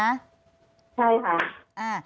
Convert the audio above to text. ใช่ค่ะ